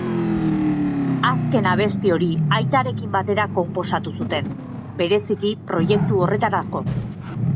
Azken abesti hori aitarekin batera konposatu zuten, bereziki proiektu horretarako.